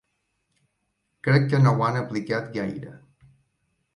Crec que no ho han aplicat gaire.